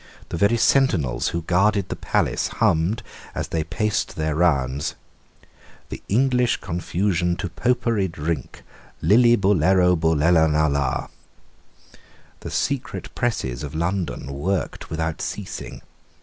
The very sentinels who guarded the palace hummed, as they paced their rounds, "The English confusion to Popery drink, Lillibullero bullen a la." The secret presses of London worked without ceasing.